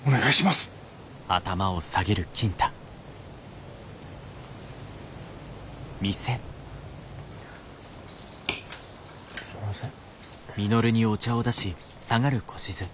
すんません。